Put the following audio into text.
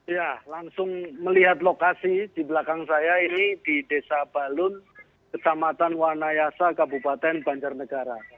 ya langsung melihat lokasi di belakang saya ini di desa balun kecamatan wanayasa kabupaten banjarnegara